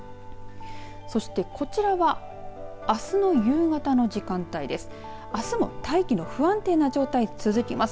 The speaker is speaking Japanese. そして、こちらはあすの夕方の時間帯です。